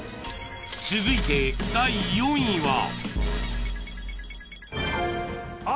［続いて第４位は］